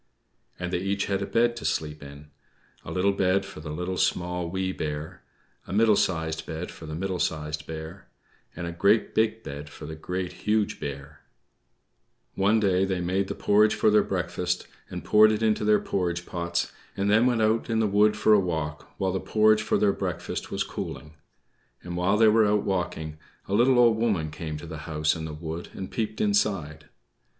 And they each had a bed to sleep in: a little bed for the Little, Small, Wee Bear; a middle sized bed for the Middle Sized Bear; and a great big bed for the Great, Huge Bear. One day they made the porridge for their breakfast, and poured it into their porridge pots, and then went out in the wood for a walk while the porridge for their breakfast was cooling. And while they were out walking, a little Old Woman came to the house in the wood and peeped inside.